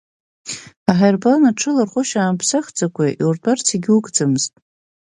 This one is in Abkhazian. Аҳаирплан аҽыларҟәышьа аамԥсахӡакәа иуртәарц егьугӡамызт.